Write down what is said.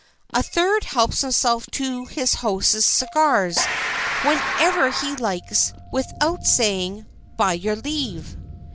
A third helps himself to his host's cigars whenever he likes without saying "by your leave."